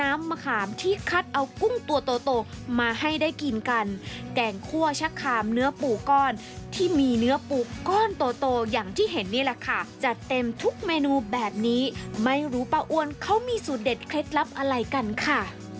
มาให้ได้กินกันแกงข้วชะคามเนื้อปลูกร้อนที่มีเนื้อปลูกร้อนโตอย่างที่เห็นนี่แหละค่ะจัดเต็มทุกเมนูแบบนี้ไม่รู้ปลาอ้วนเขามีสุดเด็ดเคล็ดลับอะไรกันค่ะ